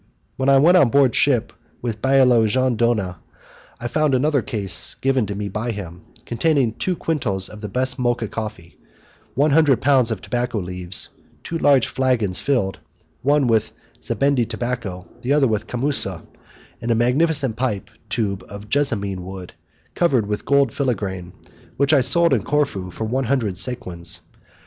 When I went on board ship with the Bailo Jean Dona, I found another case given to me by him, containing two quintals of the best Mocha coffee, one hundred pounds of tobacco leaves, two large flagons filled, one with Zabandi tobacco, the other with camussa, and a magnificent pipe tube of jessamine wood, covered with gold filigrane, which I sold in Corfu for one hundred sequins.